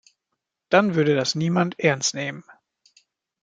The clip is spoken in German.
Dann würde das niemand ernst nehmen.